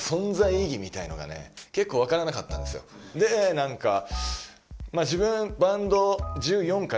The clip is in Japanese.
で何かまあ自分。